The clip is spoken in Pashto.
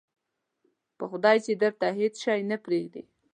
په خدای چې درته هېڅ شی پرېږدي.